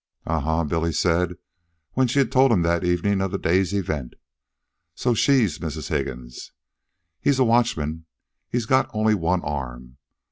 "Uh, huh," Billy said, when she had told him that evening of the day's event. "So SHE'S Mrs. Higgins? He's a watchman. He's got only one arm.